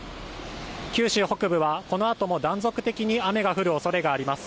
九州北部は、この後も断続的に雨が降るおそれがあります。